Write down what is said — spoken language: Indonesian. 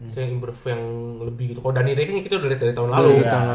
kalo dhani ray kita udah liat dari tahun lalu